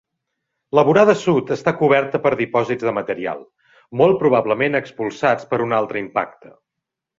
La vorada sud està coberta per dipòsits de material, molt probablement expulsats per un altre impacte.